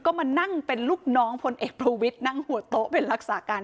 ก็มานั่งเป็นลูกน้องพลเอกประวิทย์นั่งหัวโต๊ะเป็นรักษาการ